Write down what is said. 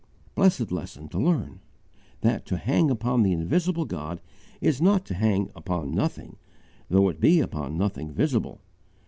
Blessed lesson to learn! that to hang upon the invisible God is not to hang "upon nothing," though it be upon nothing _visible.